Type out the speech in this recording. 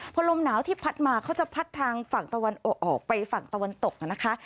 พอลมหนาวที่พัดมาเขาจะพัดทางฝั่งตะวันออกออกไปฝั่งตะวันตกนะคะ